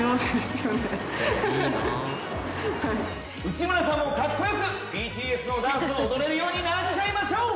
内村さんもカッコよくＢＴＳのダンスを踊れるようになっちゃいましょう。